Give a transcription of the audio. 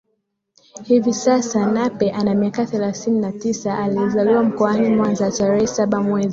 Hivi sasa Nape ana miaka thelathini na tisa alizaliwa mkoani Mwanza tarehe saba mwezi